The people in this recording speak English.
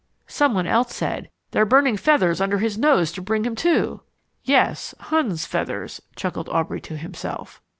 Someone else said, "They're burning feathers under his nose to bring him to." "Yes, Hun's feathers," chuckled Aubrey to himself.